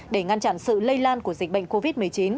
để ngăn chặn sự lây lan của dịch bệnh covid một mươi chín